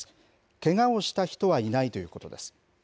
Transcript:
けがをした人はいないということです。